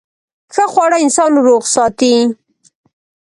ښه خواړه انسان روغ ساتي.